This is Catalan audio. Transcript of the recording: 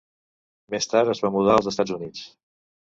Més tard es va mudar als Estats Units.